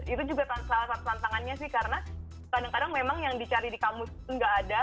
itu juga salah satu tantangannya sih karena kadang kadang memang yang dicari di kamus nggak ada